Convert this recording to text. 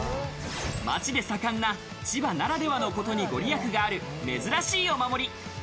街で盛んな千葉ならではの事に御利益がある珍しいお守り。